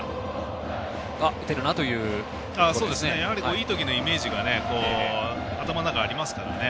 いい時のイメージが頭の中にありますからね。